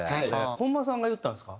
本間さんが言ったんですか？